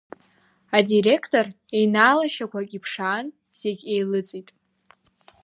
Адиректор еинаалашьақәак иԥшаан, зегь еилыҵит.